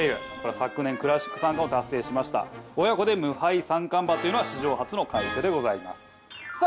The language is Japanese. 昨年クラシック三冠を達成しました親子で無敗三冠馬というのは史上初の快挙でございますさあ